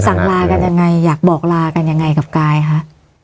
ลากันยังไงอยากบอกลากันยังไงกับกายคะ